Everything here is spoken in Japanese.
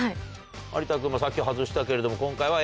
有田君さっきは外したけれども今回はＡ？